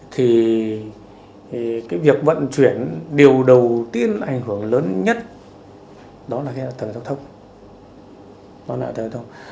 thì việc vận chuyển điều đầu tiên ảnh hưởng lớn nhất đó là tờ thông